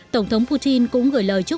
tổng thống putin cũng gửi lời chúc mừng